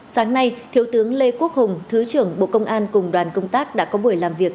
sáng nay thiếu tướng lê quốc hùng thứ trưởng bộ công an cùng đoàn công tác đã có buổi làm việc